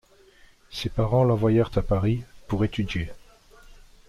Ses parents l'envoyèrent à Paris, pour étudier.